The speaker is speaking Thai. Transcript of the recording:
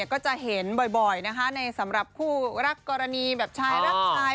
ก็จะเห็นบ่อยนะคะในสำหรับคู่รักกรณีแบบชายรักชาย